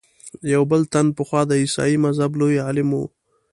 یو بل تن پخوا د عیسایي مذهب لوی عالم و.